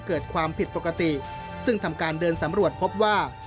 เกิดความผิดปกติซึ่งทำการเดินสำรวจพบว่า